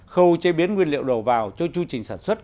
khâu chế biến nguyên liệu đầu vào cho chưu trình sản xuất